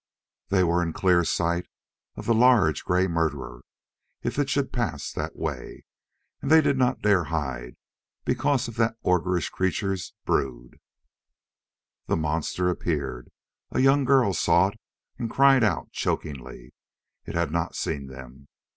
They were in clear sight of the large gray murderer, if it should pass that way. And they did not dare hide because of that ogreish creature's brood. The monster appeared. A young girl saw it and cried out chokingly. It had not seen them.